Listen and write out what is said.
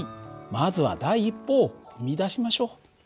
まずは第一歩を踏み出しましょう。